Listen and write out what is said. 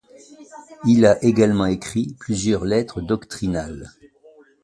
Il a également écrit plusieurs lettres doctrinales.